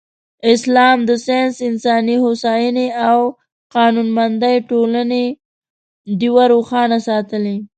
اسلام د ساینس، انساني هوساینې او قانونمندې ټولنې ډېوه روښانه ساتلې.